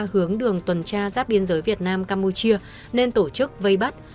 hướng đường tuần tra giáp biên giới việt nam campuchia nên tổ chức vây bắt